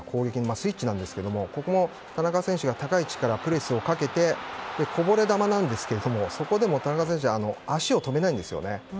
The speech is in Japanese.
スイッチなんですけど田中選手が高い位置からプレスをかけてこぼれ球なんですがそこでも田中選手は足を止めないんですよね。